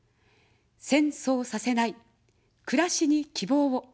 戦争させない、くらしに希望を。